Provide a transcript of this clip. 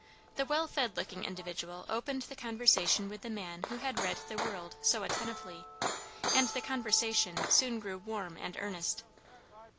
The well fed looking individual opened the conversation with the man who had read the World so attentively, and the conversation soon grew warm and earnest.